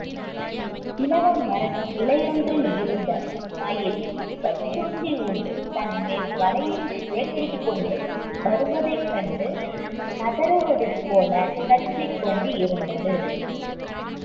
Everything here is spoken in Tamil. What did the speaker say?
இலவ மரத்துக் கிளையொன்றிலிருந்த மயில், பச்சோந்தி யொன்று தன்மேல் வாலைச் சுழற்றிக்கொண்டு வருவதுகண்டு கதறுவதுபோலக் கத்திக் கொண்டிருந்தது.